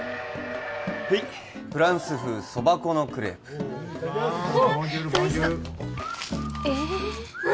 はいフランス風そば粉のクレープわあおいしそう！